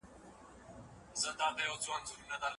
هغه په خپله زمانه کې یو بې جوړې شخصیت و.